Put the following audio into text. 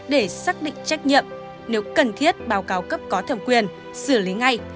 để xác định trách nhiệm nếu cần thiết báo cáo cấp có thẩm quyền xử lý ngay